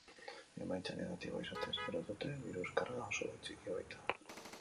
Emaitza negatiboa izatea espero dute, birus karga oso txikia baita.